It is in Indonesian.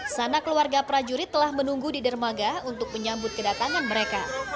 sana keluarga prajurit telah menunggu di dermaga untuk menyambut kedatangan mereka